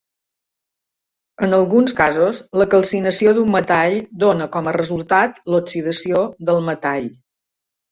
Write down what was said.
En alguns casos, la calcinació d'un metall dona com a resultat l'oxidació del metall.